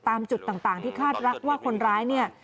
ตามจุดต่างที่คาดรักว่าคนร้ายเนี่ย